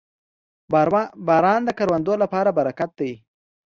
• باران د کروندو لپاره برکت دی.